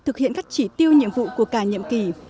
thực hiện các chỉ tiêu nhiệm vụ của cả nhiệm kỳ